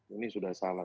ini sudah salah